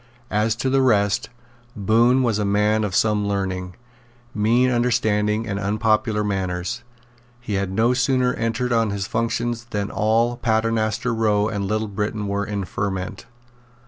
As to the rest, Bohun was a man of some learning, mean understanding and unpopular manners. He had no sooner entered on his functions than all Paternoster Row and Little Britain were in a ferment.